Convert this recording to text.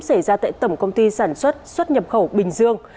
xảy ra tại tổng công ty sản xuất xuất nhập khẩu bình dương